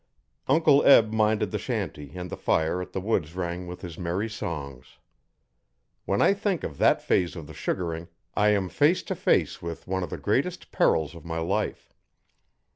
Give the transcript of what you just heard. Uncle Eb minded the shanty and the fire and the woods rang with his merry songs. When I think of that phase of the sugaring, I am face to face with one of the greatest perils of my life.